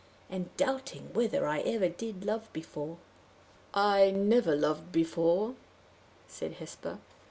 and doubting whether I ever did love before!" "I never loved before," said Hesper.